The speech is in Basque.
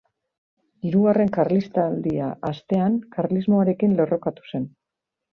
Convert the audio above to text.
Hirugarren Karlistaldia hastean karlismoarekin lerrokatu zen.